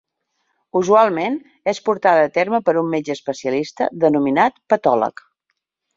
Usualment és portada a terme per un metge especialista denominat patòleg.